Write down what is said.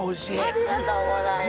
ありがとうございます。